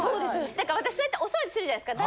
だから私そうやってお掃除するじゃないですか。